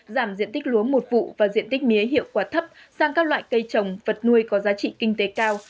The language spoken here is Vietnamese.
giảm diện tích lúa một vụ và diện tích mía hiệu quả thấp sang các loại cây trồng vật nuôi có giá trị kinh tế cao